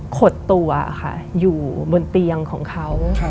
ขดตัวค่ะอยู่บนเตียงของเขา